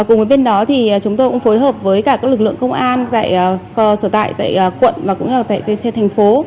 cùng với bên đó thì chúng tôi cũng phối hợp với cả các lực lượng công an tại sở tại tại quận và cũng như là tại trên thành phố